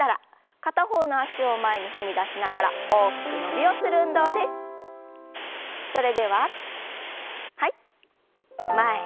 片方の脚を前に踏み出しながら大きく伸びをしましょう。